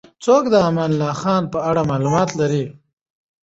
څوک د امان الله خان په اړه معلومات لري؟